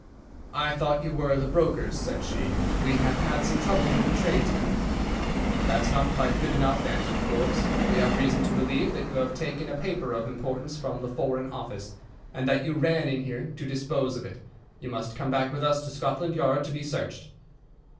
"'I thought you were the brokers,' said she, 'we have had some trouble with a tradesman.' "'That's not quite good enough,' answered Forbes. 'We have reason to believe that you have taken a paper of importance from the Foreign Office, and that you ran in here to dispose of it. You must come back with us to Scotland Yard to be searched.